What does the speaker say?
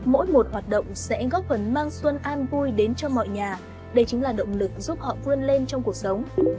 mỗi một hoạt động sẽ góp phần mang xuân an vui đến cho mọi nhà đây chính là động lực giúp họ vươn lên trong cuộc sống